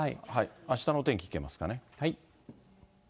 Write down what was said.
あしたの天気いけますかね。